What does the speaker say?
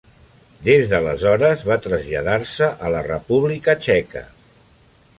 Des d'aleshores va traslladar-se a la República Txeca.